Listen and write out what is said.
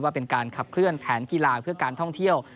ว่าเป็นการขับเคลื่อนแผนกีฬาเพื่อการท่องเที่ยว